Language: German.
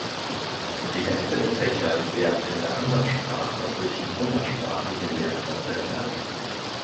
Die Hälfte der Fächer werden in der andern Sprache durch muttersprachliche Lehrkräfte erteilt.